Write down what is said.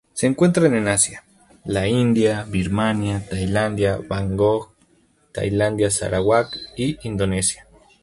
Se encuentran en Asia: la India, Birmania, Tailandia, Bangkok, Tailandia Sarawak y Indonesia.